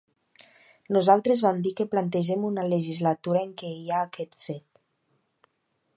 Nosaltres vam dir que plantegem una legislatura en què hi ha aquest fet.